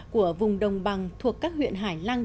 của vùng đồng bằng thuộc các huyện hải lăng